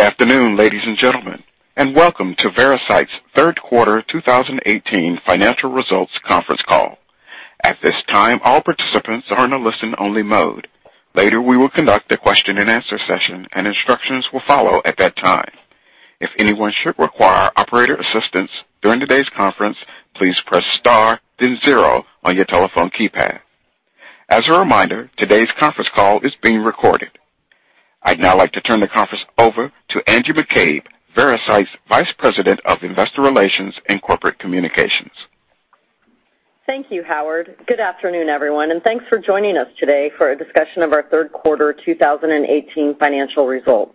Good afternoon, ladies and gentlemen, and welcome to Veracyte's third quarter 2018 financial results conference call. At this time, all participants are in a listen-only mode. Later, we will conduct a question and answer session, and instructions will follow at that time. If anyone should require operator assistance during today's conference, please press star then zero on your telephone keypad. As a reminder, today's conference call is being recorded. I'd now like to turn the conference over to Angie McCabe, Veracyte's Vice President of Investor Relations and Corporate Communications. Thank you, Howard. Good afternoon, everyone, and thanks for joining us today for a discussion of our third quarter 2018 financial results.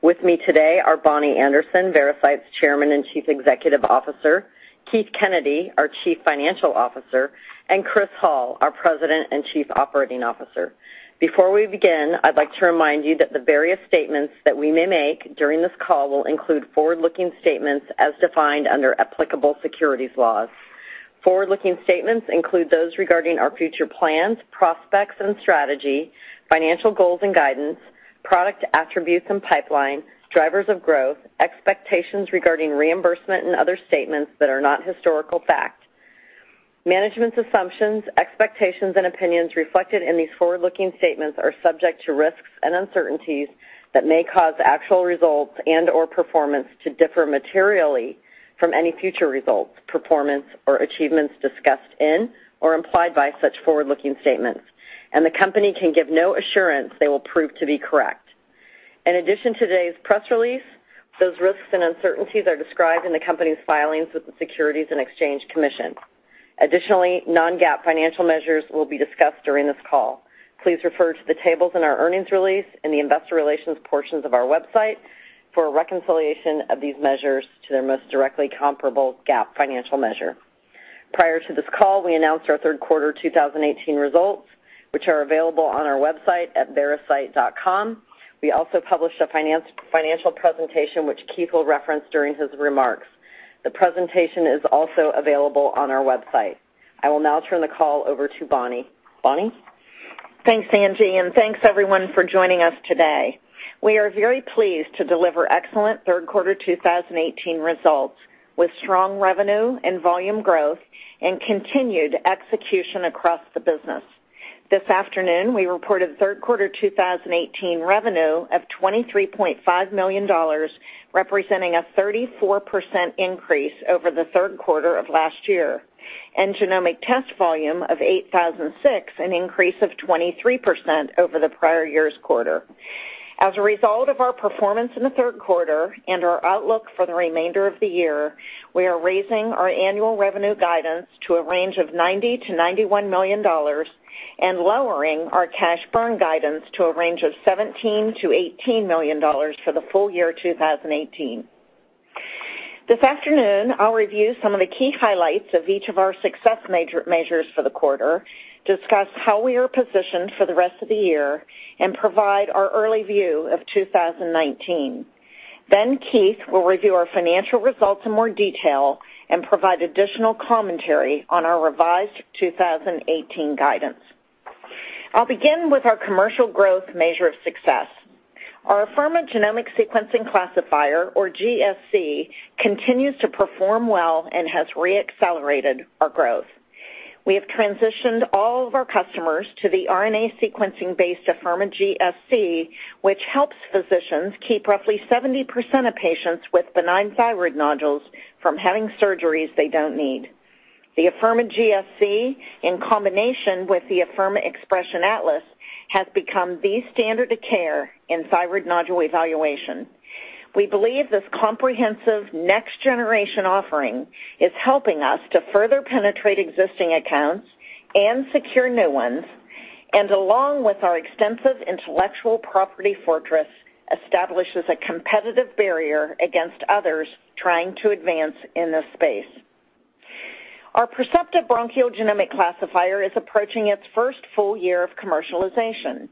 With me today are Bonnie Anderson, Veracyte's Chairman and Chief Executive Officer, Keith Kennedy, our Chief Financial Officer, and Chris Hall, our President and Chief Operating Officer. Before we begin, I'd like to remind you that the various statements that we may make during this call will include forward-looking statements as defined under applicable securities laws. Forward-looking statements include those regarding our future plans, prospects and strategy, financial goals and guidance, product attributes and pipeline, drivers of growth, expectations regarding reimbursement and other statements that are not historical fact. Management's assumptions, expectations, and opinions reflected in these forward-looking statements are subject to risks and uncertainties that may cause actual results and/or performance to differ materially from any future results, performance, or achievements discussed in or implied by such forward-looking statements. The company can give no assurance they will prove to be correct. In addition to today's press release, those risks and uncertainties are described in the company's filings with the Securities and Exchange Commission. Additionally, non-GAAP financial measures will be discussed during this call. Please refer to the tables in our earnings release in the investor relations portions of our website for a reconciliation of these measures to their most directly comparable GAAP financial measure. Prior to this call, we announced our third quarter 2018 results, which are available on our website at veracyte.com. We also published a financial presentation which Keith will reference during his remarks. The presentation is also available on our website. I will now turn the call over to Bonnie. Bonnie? Thanks, Angie, and thanks, everyone, for joining us today. We are very pleased to deliver excellent third quarter 2018 results, with strong revenue and volume growth and continued execution across the business. This afternoon, we reported third quarter 2018 revenue of $23.5 million, representing a 34% increase over the third quarter of last year, and genomic test volume of 8,006, an increase of 23% over the prior year's quarter. As a result of our performance in the third quarter and our outlook for the remainder of the year, we are raising our annual revenue guidance to a range of $90 million-$91 million and lowering our cash burn guidance to a range of $17 million-$18 million for the full year 2018. This afternoon, I'll review some of the key highlights of each of our success measures for the quarter, discuss how we are positioned for the rest of the year, and provide our early view of 2019. Keith will review our financial results in more detail and provide additional commentary on our revised 2018 guidance. I'll begin with our commercial growth measure of success. Our Afirma genomic sequencing classifier, or GSC, continues to perform well and has re-accelerated our growth. We have transitioned all of our customers to the RNA sequencing-based Afirma GSC, which helps physicians keep roughly 70% of patients with benign thyroid nodules from having surgeries they don't need. The Afirma GSC, in combination with the Afirma Xpression Atlas, has become the standard of care in thyroid nodule evaluation. We believe this comprehensive next-generation offering is helping us to further penetrate existing accounts and secure new ones, and along with our extensive intellectual property fortress, establishes a competitive barrier against others trying to advance in this space. Our Percepta bronchial genomic classifier is approaching its first full year of commercialization.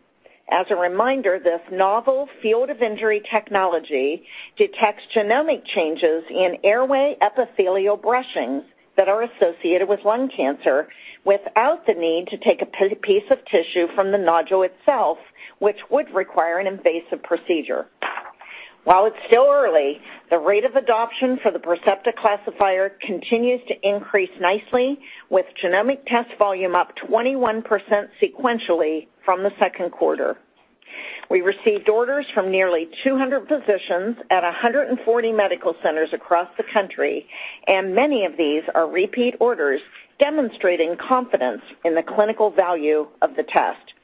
As a reminder, this novel field of injury technology detects genomic changes in airway epithelial brushings that are associated with lung cancer without the need to take a piece of tissue from the nodule itself, which would require an invasive procedure. While it's still early, the rate of adoption for the Percepta classifier continues to increase nicely, with genomic test volume up 21% sequentially from the second quarter. We received orders from nearly 200 physicians at 140 medical centers across the country, and many of these are repeat orders, demonstrating confidence in the clinical value of the test.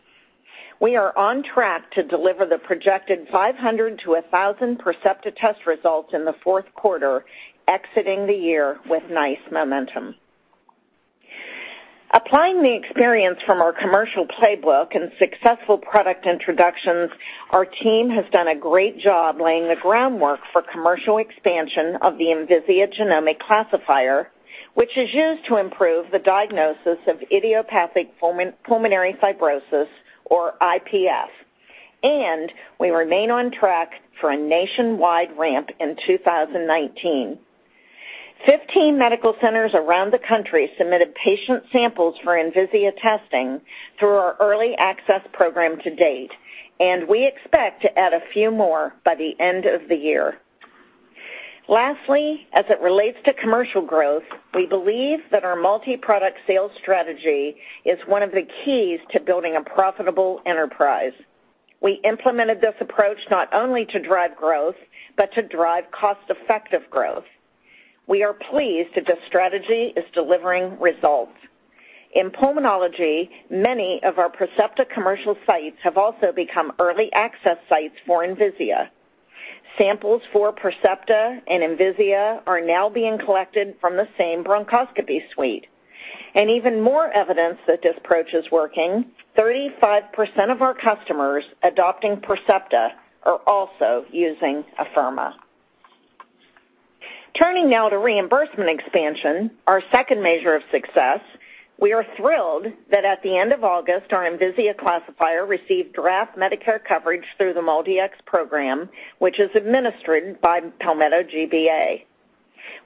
We are on track to deliver the projected 500-1,000 Percepta test results in the fourth quarter, exiting the year with nice momentum. Applying the experience from our commercial playbook and successful product introductions, our team has done a great job laying the groundwork for commercial expansion of the Envisia genomic classifier, which is used to improve the diagnosis of idiopathic pulmonary fibrosis or IPF, and we remain on track for a nationwide ramp in 2019. 15 medical centers around the country submitted patient samples for Envisia testing through our early access program to date, and we expect to add a few more by the end of the year. Lastly, as it relates to commercial growth, we believe that our multi-product sales strategy is one of the keys to building a profitable enterprise. We implemented this approach not only to drive growth, but to drive cost-effective growth. We are pleased that this strategy is delivering results. In pulmonology, many of our Percepta commercial sites have also become early access sites for Envisia. Samples for Percepta and Envisia are now being collected from the same bronchoscopy suite. Even more evidence that this approach is working, 35% of our customers adopting Percepta are also using Afirma. Turning now to reimbursement expansion, our second measure of success, we are thrilled that at the end of August, our Envisia classifier received draft Medicare coverage through the MolDX program, which is administered by Palmetto GBA.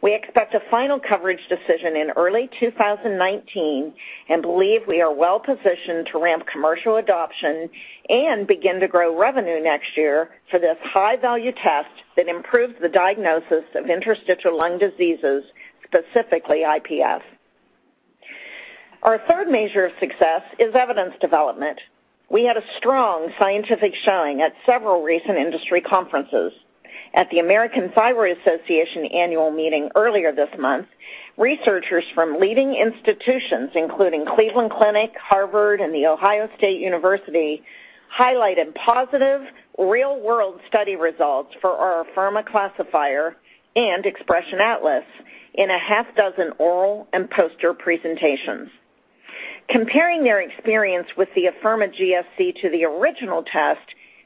We expect a final coverage decision in early 2019 and believe we are well-positioned to ramp commercial adoption and begin to grow revenue next year for this high-value test that improves the diagnosis of interstitial lung diseases, specifically IPF. Our third measure of success is evidence development. We had a strong scientific showing at several recent industry conferences. At the American Thyroid Association annual meeting earlier this month, researchers from leading institutions including Cleveland Clinic, Harvard University, and The Ohio State University highlighted positive real-world study results for our Afirma classifier and Xpression Atlas in a half dozen oral and poster presentations. Comparing their experience with the Afirma GSC to the original test,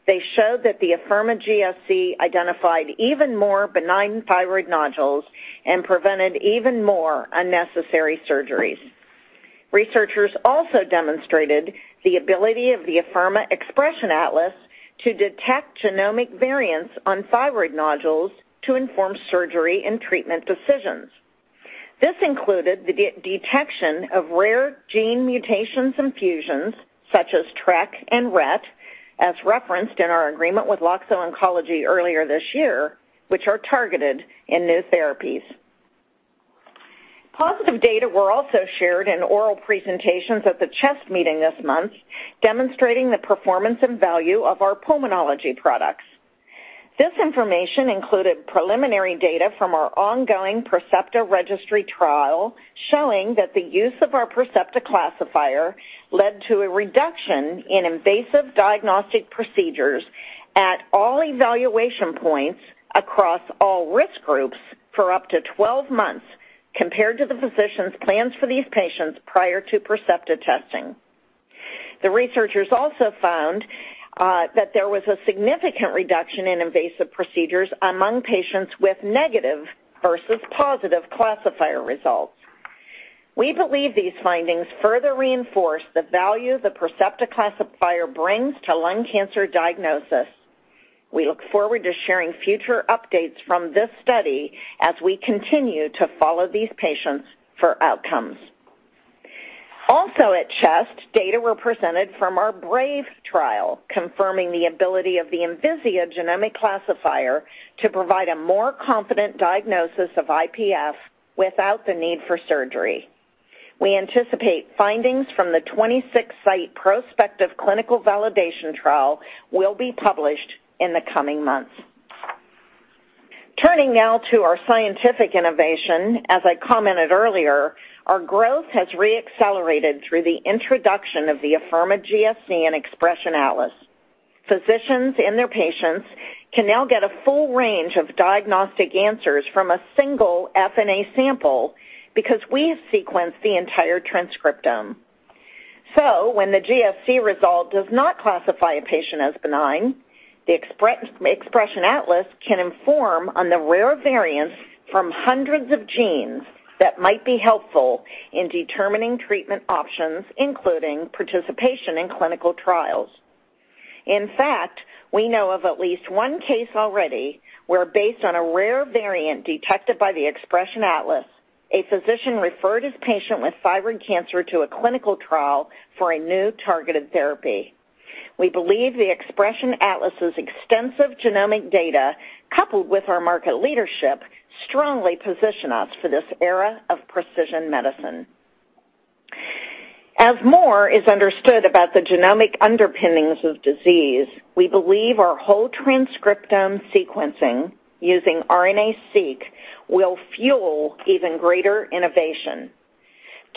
they showed that the Afirma GSC identified even more benign thyroid nodules and prevented even more unnecessary surgeries. Researchers also demonstrated the ability of the Afirma Xpression Atlas to detect genomic variants on thyroid nodules to inform surgery and treatment decisions. This included the detection of rare gene mutations and fusions such as TRK and RET, as referenced in our agreement with Loxo Oncology earlier this year, which are targeted in new therapies. Positive data were also shared in oral presentations at the CHEST meeting this month, demonstrating the performance and value of our pulmonology products. This information included preliminary data from our ongoing Percepta registry trial, showing that the use of our Percepta classifier led to a reduction in invasive diagnostic procedures at all evaluation points across all risk groups for up to 12 months, compared to the physicians' plans for these patients prior to Percepta testing. The researchers also found that there was a significant reduction in invasive procedures among patients with negative versus positive classifier results. We believe these findings further reinforce the value the Percepta classifier brings to lung cancer diagnosis. We look forward to sharing future updates from this study as we continue to follow these patients for outcomes. At CHEST, data were presented from our BRAVE trial, confirming the ability of the Envisia genomic classifier to provide a more confident diagnosis of IPF without the need for surgery. We anticipate findings from the 26-site prospective clinical validation trial will be published in the coming months. Turning now to our scientific innovation, as I commented earlier, our growth has re-accelerated through the introduction of the Afirma GSC and Xpression Atlas. Physicians and their patients can now get a full range of diagnostic answers from a single FNA sample because we sequence the entire transcriptome. When the GSC result does not classify a patient as benign, the Xpression Atlas can inform on the rare variants from hundreds of genes that might be helpful in determining treatment options, including participation in clinical trials. In fact, we know of at least one case already where, based on a rare variant detected by the Xpression Atlas, a physician referred his patient with thyroid cancer to a clinical trial for a new targeted therapy. We believe the Xpression Atlas's extensive genomic data, coupled with our market leadership, strongly position us for this era of precision medicine. As more is understood about the genomic underpinnings of disease, we believe our whole transcriptome sequencing using RNA-seq will fuel even greater innovation.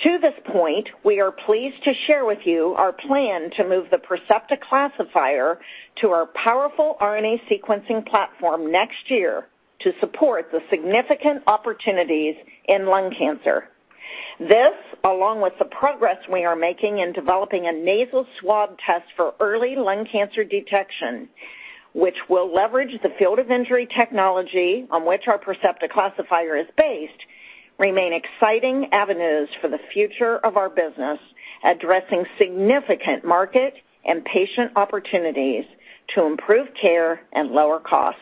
To this point, we are pleased to share with you our plan to move the Percepta classifier to our powerful RNA sequencing platform next year to support the significant opportunities in lung cancer. This, along with the progress we are making in developing a nasal swab test for early lung cancer detection, which will leverage the field of injury technology on which our Percepta classifier is based, remain exciting avenues for the future of our business, addressing significant market and patient opportunities to improve care and lower costs.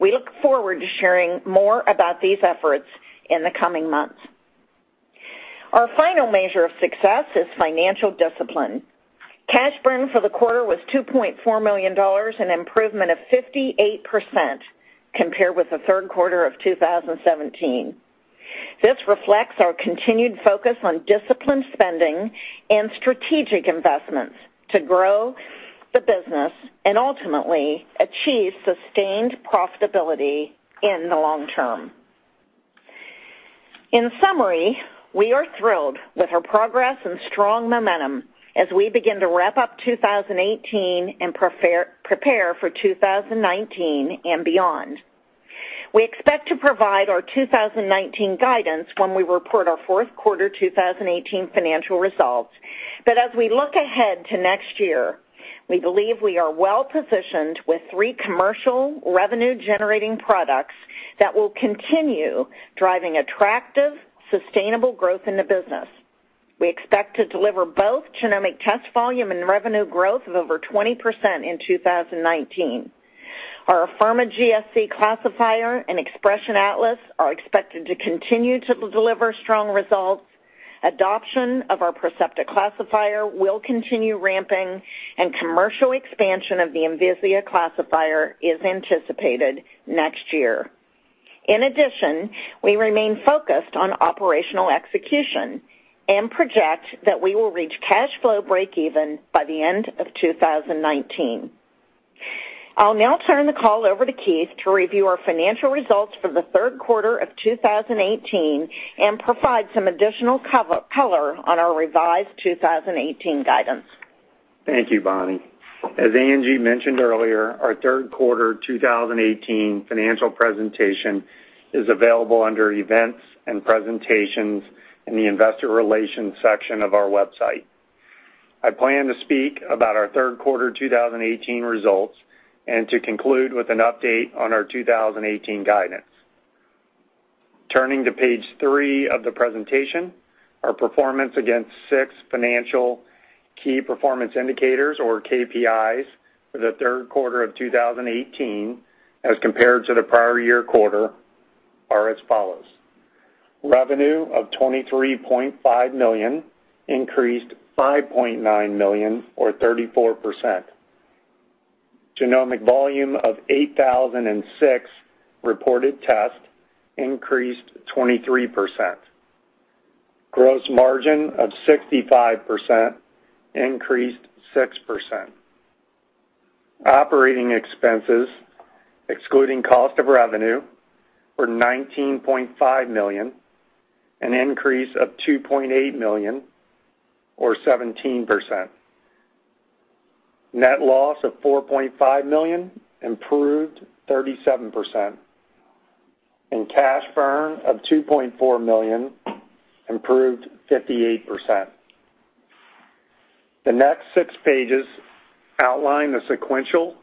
We look forward to sharing more about these efforts in the coming months. Our final measure of success is financial discipline. Cash burn for the quarter was $2.4 million, an improvement of 58% compared with the third quarter of 2017. This reflects our continued focus on disciplined spending and strategic investments to grow the business and ultimately achieve sustained profitability in the long term. In summary, we are thrilled with our progress and strong momentum as we begin to wrap up 2018 and prepare for 2019 and beyond. As we look ahead to next year, we believe we are well-positioned with three commercial revenue-generating products that will continue driving attractive, sustainable growth in the business. We expect to deliver both genomic test volume and revenue growth of over 20% in 2019. Our Afirma GSC classifier and Xpression Atlas are expected to continue to deliver strong results. Adoption of our Percepta classifier will continue ramping, and commercial expansion of the Envisia classifier is anticipated next year. In addition, we remain focused on operational execution and project that we will reach cash flow breakeven by the end of 2019. I'll now turn the call over to Keith to review our financial results for the third quarter of 2018 and provide some additional color on our revised 2018 guidance. Thank you, Bonnie. As Angie mentioned earlier, our third quarter 2018 financial presentation is available under Events and Presentations in the investor relations section of our website. I plan to speak about our third quarter 2018 results and to conclude with an update on our 2018 guidance. Turning to page three of the presentation, our performance against six financial key performance indicators or KPIs for the third quarter of 2018 as compared to the prior year quarter are as follows. Revenue of $23.5 million increased $5.9 million or 34%. Genomic volume of 8,006 reported tests increased 23%. Gross margin of 65% increased 6%. Operating expenses excluding cost of revenue were $19.5 million, an increase of $2.8 million or 17%. Net loss of $4.5 million, improved 37%. Cash burn of $2.4 million, improved 58%. The next six pages outline the sequential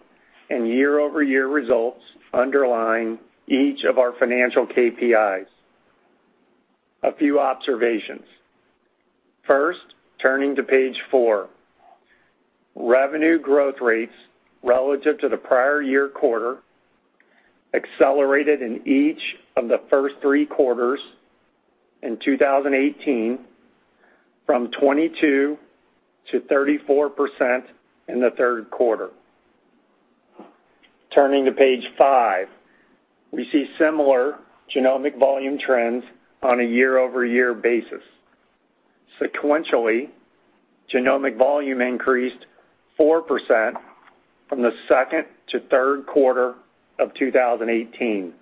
and year-over-year results underlying each of our financial KPIs. A few observations. First, turning to page four, revenue growth rates relative to the prior year quarter accelerated in each of the first three quarters in 2018 from 22% to 34% in the third quarter. Turning to page five, we see similar genomic volume trends on a year-over-year basis. Sequentially, genomic volume increased 4% from the second to third quarter of 2018.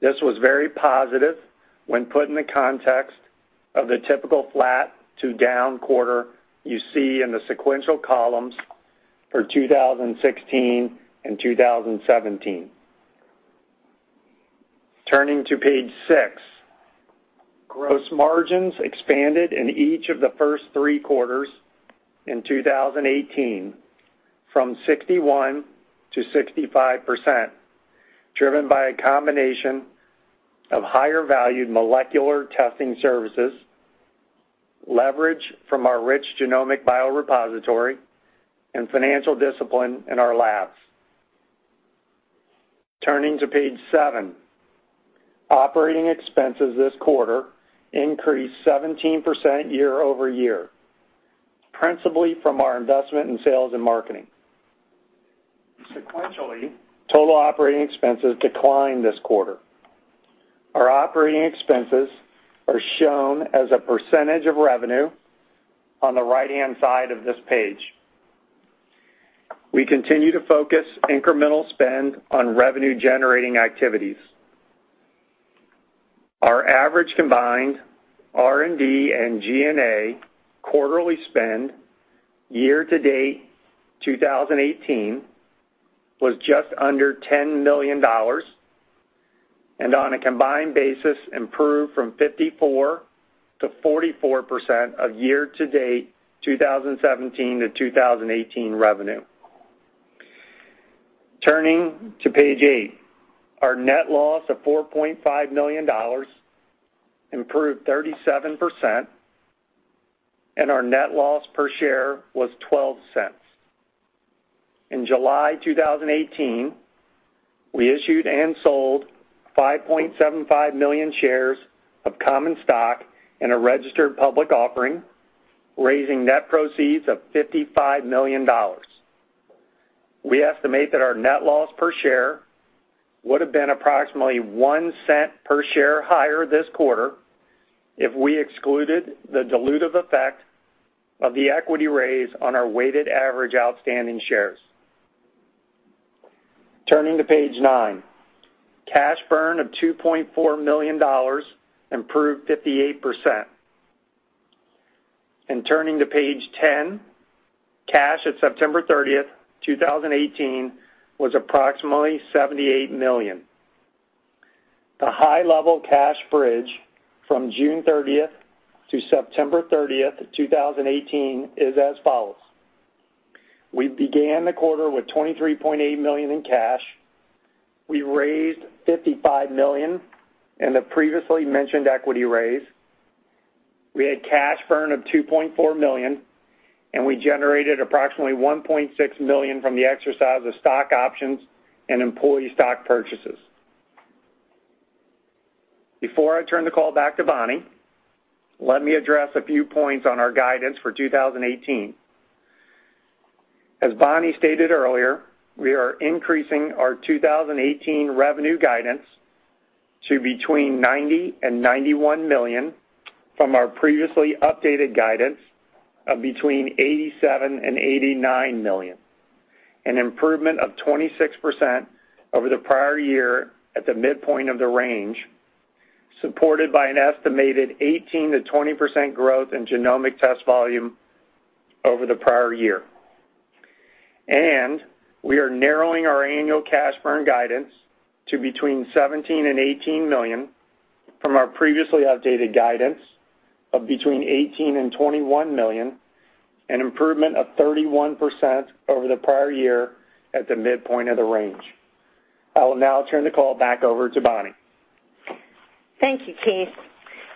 This was very positive when put in the context of the typical flat to down quarter you see in the sequential columns for 2016 and 2017. Turning to page six, gross margins expanded in each of the first three quarters in 2018 from 61% to 65%, driven by a combination of higher-valued molecular testing services, leverage from our rich genomic biorepository, and financial discipline in our labs. Turning to page seven, operating expenses this quarter increased 17% year-over-year, principally from our investment in sales and marketing. Sequentially, total operating expenses declined this quarter. Our operating expenses are shown as a percentage of revenue on the right-hand side of this page. We continue to focus incremental spend on revenue-generating activities. Our average combined R&D and G&A quarterly spend year-to-date 2018 was just under $10 million and on a combined basis improved from 54% to 44% of year-to-date 2017 to 2018 revenue. Turning to page eight, our net loss of $4.5 million improved 37%. Our net loss per share was $0.12. In July 2018, we issued and sold 5.75 million shares of common stock in a registered public offering, raising net proceeds of $55 million. We estimate that our net loss per share would've been approximately $0.01 per share higher this quarter if we excluded the dilutive effect of the equity raise on our weighted average outstanding shares. Turning to page nine, cash burn of $2.4 million, improved 58%. Turning to page 10, cash at September 30th, 2018, was approximately $78 million. The high level cash bridge from June 30th to September 30th, 2018, is as follows: We began the quarter with $23.8 million in cash. We raised $55 million in the previously mentioned equity raise. We had cash burn of $2.4 million, and we generated approximately $1.6 million from the exercise of stock options and employee stock purchases. Before I turn the call back to Bonnie, let me address a few points on our guidance for 2018. As Bonnie stated earlier, we are increasing our 2018 revenue guidance to between $90 million and $91 million from our previously updated guidance of between $87 million and $89 million, an improvement of 26% over the prior year at the midpoint of the range, supported by an estimated 18%-20% growth in genomic test volume over the prior year. We are narrowing our annual cash burn guidance to between $17 million and $18 million from our previously updated guidance of between $18 million and $21 million, an improvement of 31% over the prior year at the midpoint of the range. I will now turn the call back over to Bonnie. Thank you, Keith.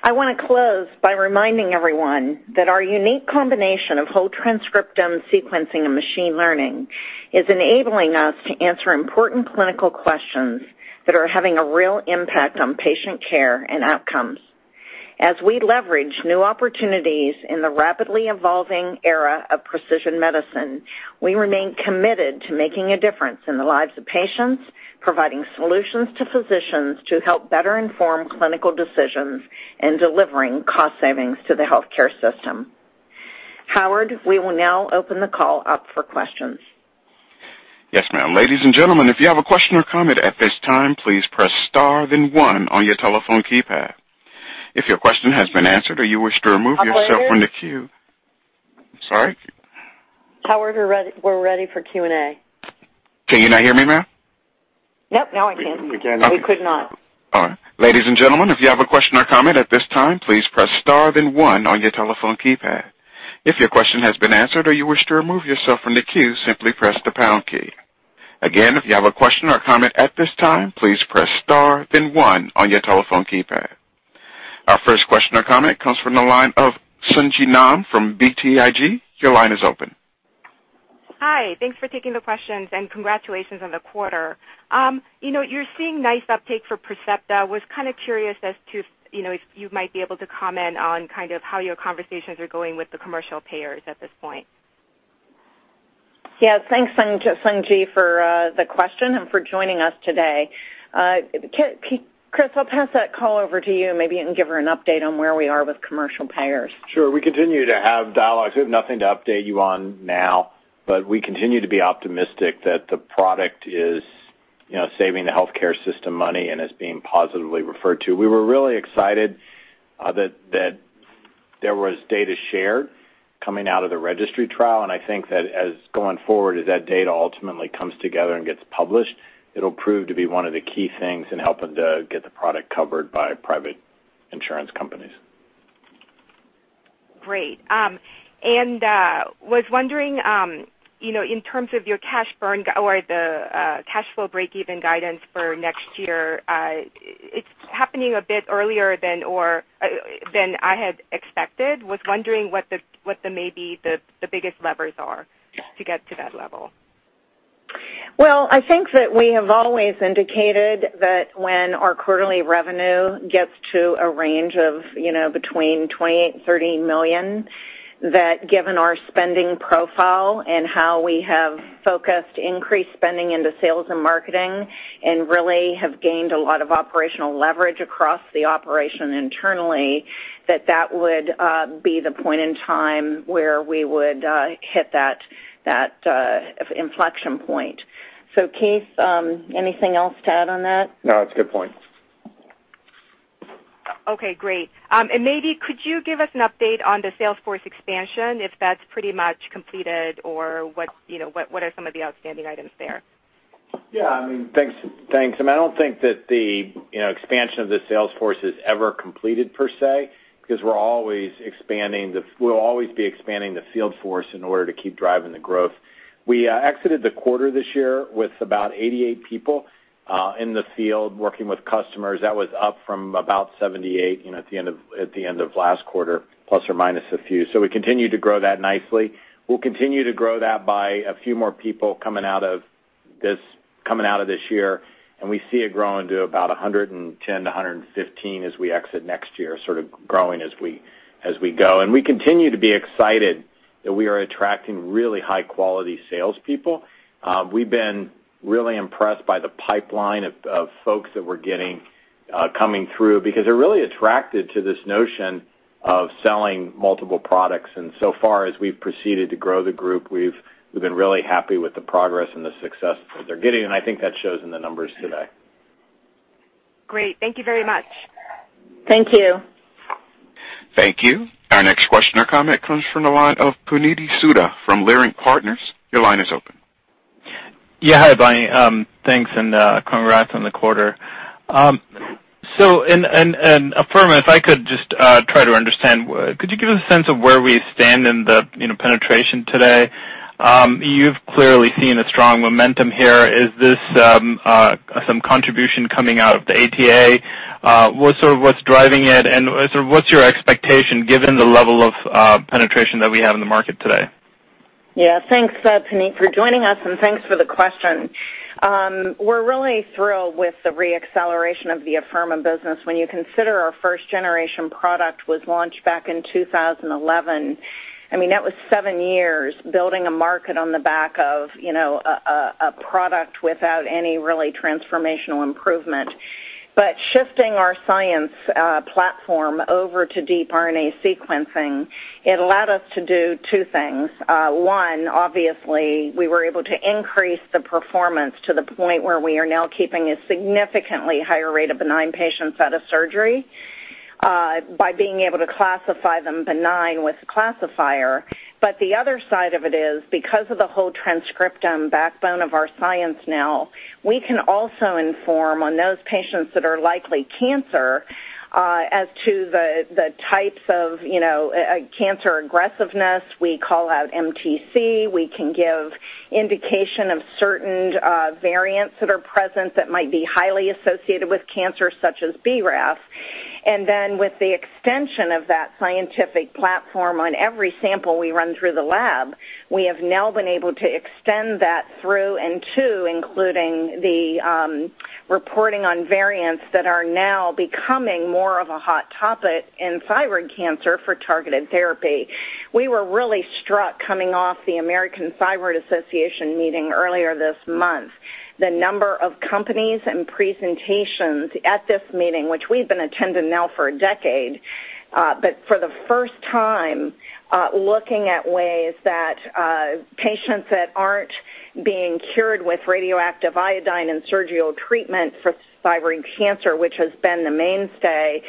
I want to close by reminding everyone that our unique combination of whole transcriptome sequencing and machine learning is enabling us to answer important clinical questions that are having a real impact on patient care and outcomes. As we leverage new opportunities in the rapidly evolving era of precision medicine, we remain committed to making a difference in the lives of patients, providing solutions to physicians to help better inform clinical decisions, and delivering cost savings to the healthcare system. Howard, we will now open the call up for questions. Yes, ma'am. Ladies and gentlemen, if you have a question or comment at this time, please press star then one on your telephone keypad. If your question has been answered or you wish to remove yourself from the queue. Operator? Sorry? Howard, we're ready for Q&A. Can you not hear me, ma'am? Nope. Now I can. We can now. We could not. All right. Ladies and gentlemen, if you have a question or comment at this time, please press star then one on your telephone keypad. If your question has been answered or you wish to remove yourself from the queue, simply press the pound key. Again, if you have a question or comment at this time, please press star then one on your telephone keypad. Our first question or comment comes from the line of Sung Ji Nam from BTIG. Your line is open. Hi. Thanks for taking the questions. Congratulations on the quarter. You're seeing nice uptake for Percepta. I was kind of curious as to if you might be able to comment on how your conversations are going with the commercial payers at this point. Yeah. Thanks, Sung Ji, for the question and for joining us today. Chris, I'll pass that call over to you. Maybe you can give her an update on where we are with commercial payers. Sure. We continue to have dialogues. We have nothing to update you on now, but we continue to be optimistic that the product is saving the healthcare system money and is being positively referred to. We were really excited that there was data shared coming out of the registry trial. I think that as going forward, as that data ultimately comes together and gets published, it'll prove to be one of the key things in helping to get the product covered by private insurance companies. Great. I was wondering, in terms of your cash burn or the cash flow breakeven guidance for next year, it's happening a bit earlier than I had expected. I was wondering what the maybe the biggest levers are to get to that level. Well, I think that we have always indicated that when our quarterly revenue gets to a range of between $28 million, $30 million, that given our spending profile and how we have focused increased spending into sales and marketing, and really have gained a lot of operational leverage across the operation internally, that that would be the point in time where we would hit that inflection point. Keith, anything else to add on that? No, that's a good point. Okay, great. Maybe could you give us an update on the sales force expansion, if that's pretty much completed or what are some of the outstanding items there? Yeah. Thanks. I don't think that the expansion of the sales force is ever completed, per se, because we'll always be expanding the field force in order to keep driving the growth. We exited the quarter this year with about 88 people in the field working with customers. That was up from about 78 at the end of last quarter, plus or minus a few. We continue to grow that nicely. We'll continue to grow that by a few more people coming out of this year, we see it growing to about 110-115 as we exit next year, sort of growing as we go. We continue to be excited that we are attracting really high-quality salespeople. We've been really impressed by the pipeline of folks that we're getting coming through, because they're really attracted to this notion of selling multiple products. So far, as we've proceeded to grow the group, we've been really happy with the progress and the success that they're getting, and I think that shows in the numbers today. Great. Thank you very much. Thank you. Thank you. Our next question or comment comes from the line of Puneet Souda from Leerink Partners. Your line is open. Yeah. Hi, Bonnie. Thanks, and congrats on the quarter. In Afirma, if I could just try to understand, could you give us a sense of where we stand in the penetration today? You've clearly seen a strong momentum here. Is this some contribution coming out of the ATA? What's driving it, and what's your expectation, given the level of penetration that we have in the market today? Yeah. Thanks, Puneet, for joining us, and thanks for the question. We're really thrilled with the re-acceleration of the Afirma business. When you consider our first-generation product was launched back in 2011, that was seven years building a market on the back of a product without any really transformational improvement. Shifting our science platform over to deep RNA sequencing, it allowed us to do two things. One, obviously, we were able to increase the performance to the point where we are now keeping a significantly higher rate of benign patients out of surgery by being able to classify them benign with the classifier. The other side of it is, because of the whole transcriptome backbone of our science now, we can also inform on those patients that are likely cancer as to the types of cancer aggressiveness. We call out MTC. We can give indication of certain variants that are present that might be highly associated with cancer, such as BRAF. With the extension of that scientific platform on every sample we run through the lab, we have now been able to extend that through and to including the reporting on variants that are now becoming more of a hot topic in thyroid cancer for targeted therapy. We were really struck coming off the American Thyroid Association meeting earlier this month, the number of companies and presentations at this meeting, which we've been attending now for a decade, but for the first time, looking at ways that patients that aren't being cured with radioactive iodine and surgical treatment for thyroid cancer, which has been the mainstay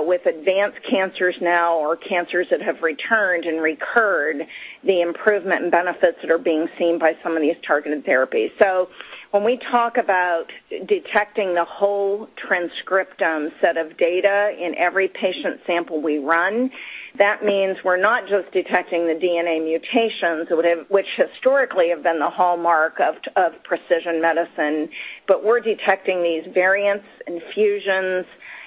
with advanced cancers now or cancers that have returned and recurred, the improvement and benefits that are being seen by some of these targeted therapies. When we talk about detecting the whole transcriptome set of data in every patient sample we run, that means we're not just detecting the DNA mutations, which historically have been the hallmark of precision medicine, we're detecting these variants and fusions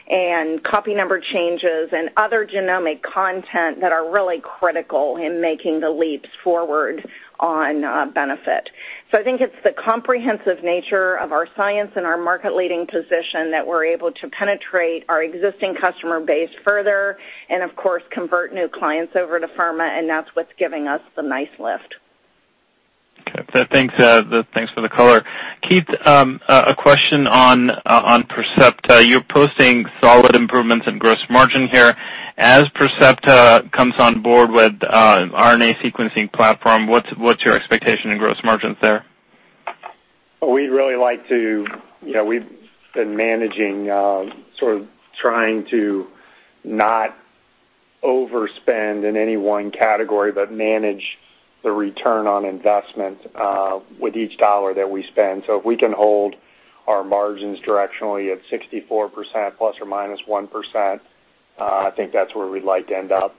and copy number changes and other genomic content that are really critical in making the leaps forward on benefit. I think it's the comprehensive nature of our science and our market-leading position that we're able to penetrate our existing customer base further and, of course, convert new clients over to Afirma, and that's what's giving us the nice lift. Okay. Thanks for the color. Keith, a question on Percepta. You're posting solid improvements in gross margin here. As Percepta comes on board with RNA sequencing platform, what's your expectation in gross margins there? We've been managing, sort of trying to not overspend in any one category, but manage the return on investment with each dollar that we spend. If we can hold our margins directionally at 64% ±1%, I think that's where we'd like to end up.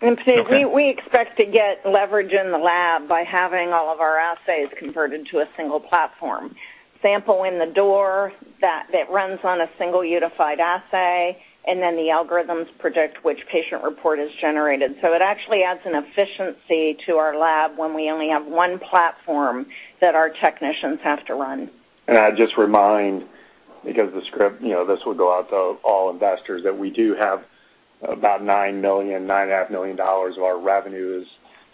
Puneet, we expect to get leverage in the lab by having all of our assays converted to a single platform. Sample in the door that runs on a single unified assay, and then the algorithms predict which patient report is generated. It actually adds an efficiency to our lab when we only have one platform that our technicians have to run. I'd just remind, because the script, this would go out to all investors, that we do have about $9.5 million of our revenues,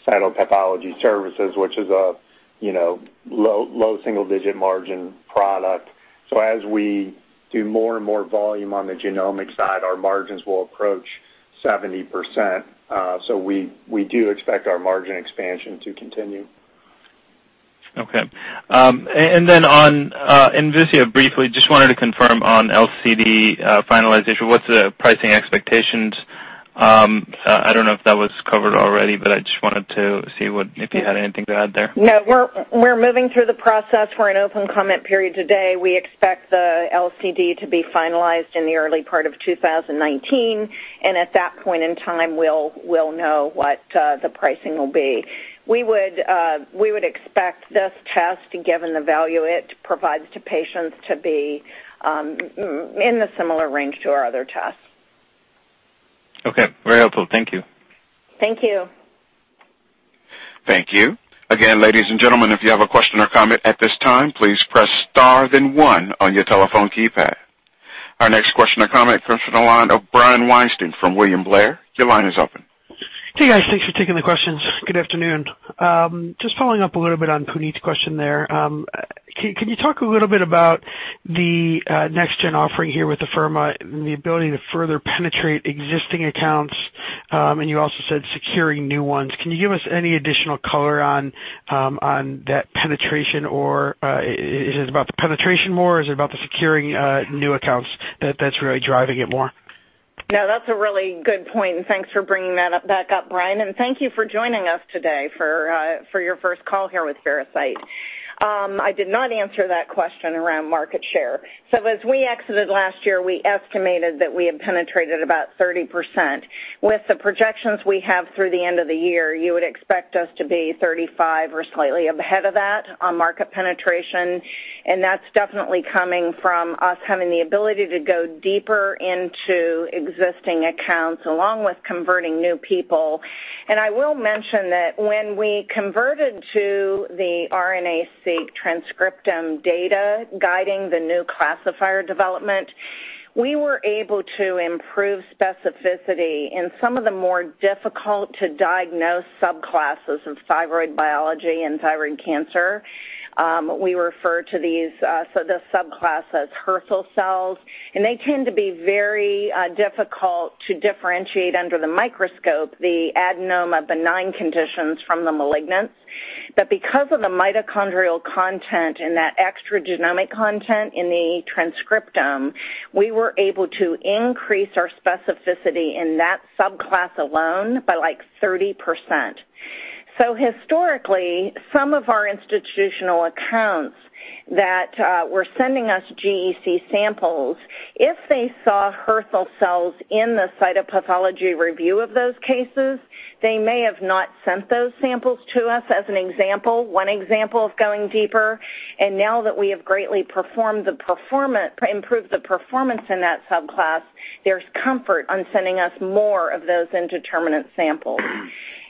cytopathology services, which is a low single-digit margin product. As we do more and more volume on the genomic side, our margins will approach 70%. We do expect our margin expansion to continue. Okay. On Envisia, briefly, just wanted to confirm on LCD finalization, what's the pricing expectations? I don't know if that was covered already, but I just wanted to see if you had anything to add there. No, we're moving through the process. We're in open comment period today. We expect the LCD to be finalized in the early part of 2019, and at that point in time, we'll know what the pricing will be. We would expect this test, given the value it provides to patients, to be in the similar range to our other tests. Okay. Very helpful. Thank you. Thank you. Thank you. Again, ladies and gentlemen, if you have a question or comment at this time, please press star then one on your telephone keypad. Our next question or comment comes from the line of Brian Weinstein from William Blair. Your line is open. Hey, guys. Thanks for taking the questions. Good afternoon. Just following up a little bit on Puneet's question there. Can you talk a little bit about the next gen offering here with Afirma and the ability to further penetrate existing accounts? You also said securing new ones. Can you give us any additional color on that penetration? Is it about the penetration more, or is it about the securing new accounts that's really driving it more? That's a really good point, and thanks for bringing that back up, Brian. Thank you for joining us today for your first call here with Veracyte. I did not answer that question around market share. As we exited last year, we estimated that we had penetrated about 30%. With the projections we have through the end of the year, you would expect us to be 35% or slightly ahead of that on market penetration. That's definitely coming from us having the ability to go deeper into existing accounts, along with converting new people. I will mention that when we converted to the RNA-Seq transcriptome data guiding the new classifier development, we were able to improve specificity in some of the more difficult-to-diagnose subclasses of thyroid biology and thyroid cancer. The subclass has Hürthle cells, they tend to be very difficult to differentiate under the microscope, the adenoma benign conditions from the malignant. Because of the mitochondrial content and that extragenomic content in the transcriptome, we were able to increase our specificity in that subclass alone by 30%. Historically, some of our institutional accounts that were sending us GEC samples, if they saw Hürthle cells in the cytopathology review of those cases, they may have not sent those samples to us as an example, one example of going deeper. Now that we have greatly improved the performance in that subclass, there's comfort on sending us more of those indeterminate samples.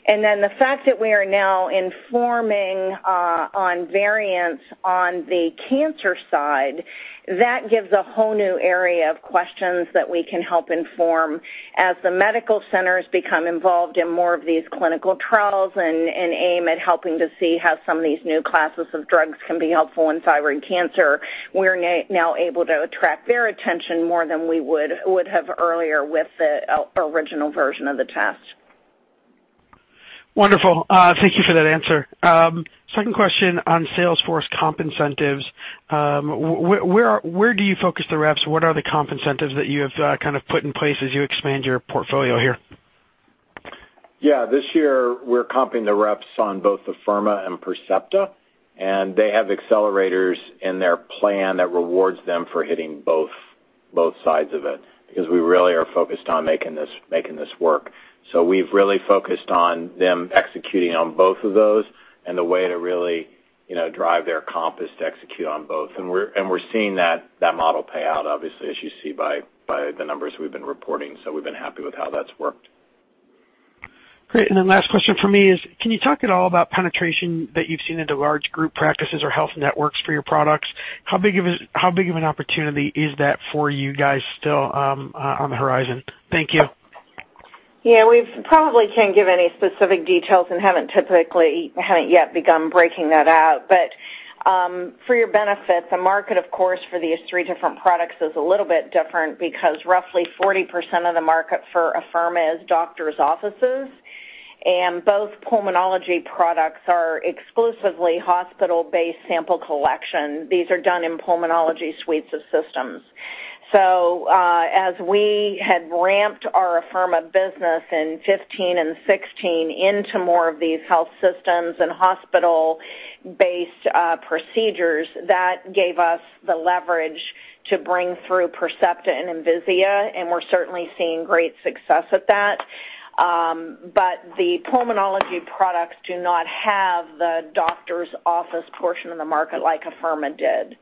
The fact that we are now informing on variants on the cancer side, that gives a whole new area of questions that we can help inform as the medical centers become involved in more of these clinical trials and aim at helping to see how some of these new classes of drugs can be helpful in thyroid cancer. We're now able to attract their attention more than we would have earlier with the original version of the test. Wonderful. Thank you for that answer. Second question on sales force comp incentives. Where do you focus the reps? What are the comp incentives that you have put in place as you expand your portfolio here? This year, we're comping the reps on both Afirma and Percepta, they have accelerators in their plan that rewards them for hitting both sides of it, because we really are focused on making this work. We've really focused on them executing on both of those and the way to really drive their comp is to execute on both. We're seeing that model pay out, obviously, as you see by the numbers we've been reporting. We've been happy with how that's worked. Last question from me is, can you talk at all about penetration that you've seen into large group practices or health networks for your products? How big of an opportunity is that for you guys still on the horizon? Thank you. Yeah. We probably can't give any specific details and haven't yet begun breaking that out. For your benefit, the market, of course, for these three different products is a little bit different because roughly 40% of the market for Afirma is doctor's offices, and both pulmonology products are exclusively hospital-based sample collection. These are done in pulmonology suites of systems. As we had ramped our Afirma business in 2015 and 2016 into more of these health systems and hospital-based procedures, that gave us the leverage to bring through Percepta and Envisia, and we're certainly seeing great success at that. The pulmonology products do not have the doctor's office portion of the market like Afirma did.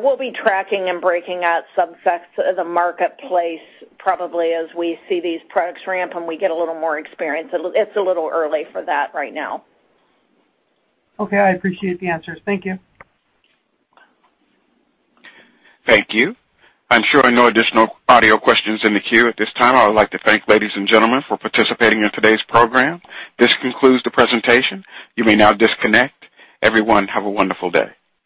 We'll be tracking and breaking out sub-sects of the marketplace probably as we see these products ramp, and we get a little more experience. It's a little early for that right now. Okay. I appreciate the answers. Thank you. Thank you. I'm showing no additional audio questions in the queue at this time. I would like to thank ladies and gentlemen for participating in today's program. This concludes the presentation. You may now disconnect. Everyone, have a wonderful day.